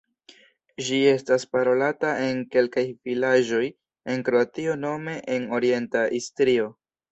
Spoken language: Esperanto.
Ĝi estas parolata en kelkaj vilaĝoj en Kroatio nome en orienta Istrio.